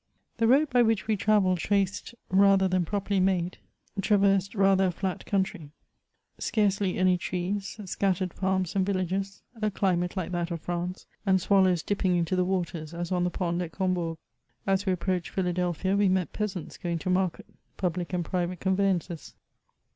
The road by which we travelled, traced rather than properly made, traversed rather a flat country ; scarcely any trees, scattered farms and villages, a climate like that of France, and swallows dipping into the waters as on the pond at Combourg. As we approached Philadelphia^ we met peasants going to market, public and private conveyances.